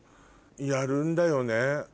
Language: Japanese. やるんだよね？